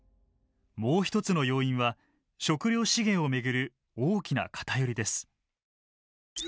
もう一つの要因は食料資源を巡る大きな偏りです。